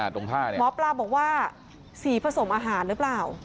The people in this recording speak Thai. หมอปลาบอกว่าสีผสมอาหารหรือเปล่า